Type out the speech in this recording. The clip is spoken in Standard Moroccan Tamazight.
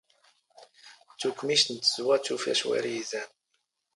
ⵜⵓⴽⵎⵉⵛⵜ ⵏ ⵜⵣⵣⵡⴰ ⵜⵓⴼ ⴰⵛⵡⴰⵔⵉ ⵉⵣⴰⵏ.